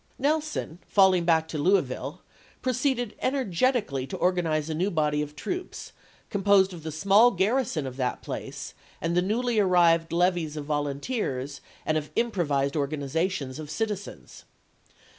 Nelson, falling back to Louisville, proceeded energetically to organize a new body of troops, com posed of the small garrison of that place and the PEERYVILLE AND MUEFEEESBORO 275 newly arrived levies of volunteers and of improvised ch. xiii. organizations of citizens.